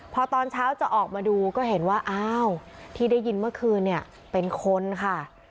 พอตอนเช้าจะออกมาดูก็เห็นว่าอ้าวที่ได้ยินเมื่อคืนเนี่ยเป็นคนค่ะ